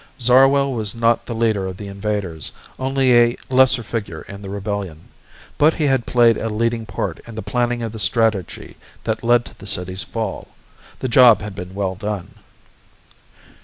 Zarwell was not the leader of the invaders, only a lesser figure in the rebellion. But he had played a leading part in the planning of the strategy that led to the city's fall. The job had been well done.